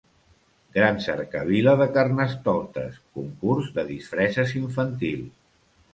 Gran cercavila de carnestoltes, concurs de disfresses infantil.